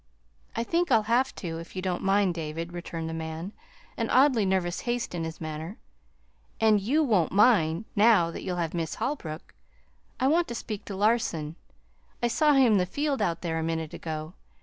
"I think I'll have to, if you don't mind, David," returned the man, an oddly nervous haste in his manner. "And YOU won't mind, now that you'll have Miss Holbrook. I want to speak to Larson. I saw him in the field out there a minute ago.